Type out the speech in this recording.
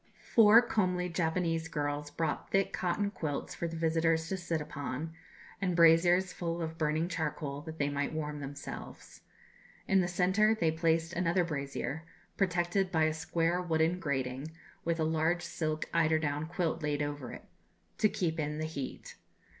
Four comely Japanese girls brought thick cotton quilts for the visitors to sit upon, and braziers full of burning charcoal that they might warm themselves. In the centre they placed another brazier, protected by a square wooden grating, with a large silk eider down quilt laid over it, to keep in the heat.